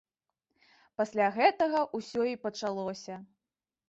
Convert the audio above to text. Пасля гэтага ўсё і пачалося.